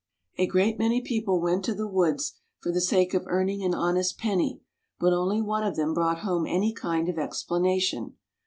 A great many people went to the woods for the sake of earning an honest penny, but only one of them brought home any kind of explanation.